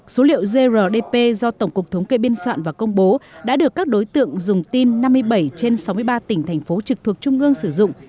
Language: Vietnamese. số liệu grdp do tổng cục thống kê biên soạn và công bố đã được các đối tượng dùng tin năm mươi bảy trên sáu mươi ba tỉnh thành phố trực thuộc trung ương sử dụng